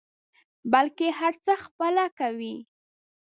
بلکې هر څه خپله کوي.